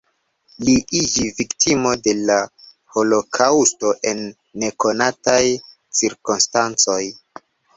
Li iĝi viktimo de la holokaŭsto en nekonataj cirkonstancoj.